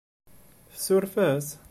Tsuref-as?